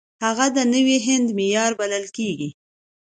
هغه د نوي هند معمار بلل کیږي.